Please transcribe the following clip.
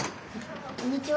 こんにちは。